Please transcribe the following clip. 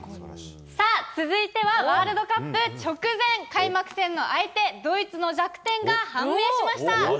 さあ、続いてはワールドカップ直前、開幕戦の相手、ドイツの弱点が判明しました。